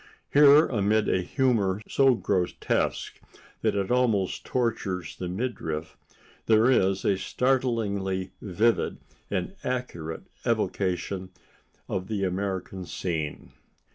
Here, amid a humor so grotesque that it almost tortures the midriff, there is a startlingly vivid and accurate evocation of the American scene.